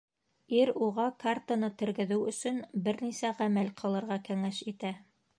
Ир уға картаны тергеҙеү өсөн бер нисә ғәмәл ҡылырға кәңәш итә.